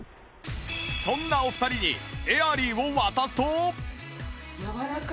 そんなお二人にエアリーを渡すと